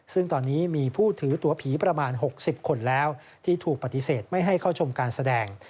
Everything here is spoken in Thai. ซึ่งตอนนี้มีผู้ถือตัวผีประมาณ๖๐คนแล้วที่ถูกปฏิเสธไม่ให้เข้าชมการแสดง